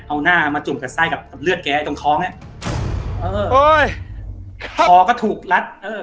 เอาหน้ามาจุ่มกับไส้กับเลือดแกตรงท้องเนี้ยเออโอ้ยคอก็ถูกรัดเออ